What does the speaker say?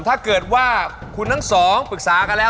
ถ้าเกิดว่าคุณทั้งสองปรึกษากันแล้ว